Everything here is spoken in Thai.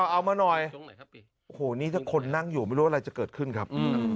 เอามาหน่อยโอ้โหนี่ถ้าคนนั่งอยู่ไม่รู้อะไรจะเกิดขึ้นครับ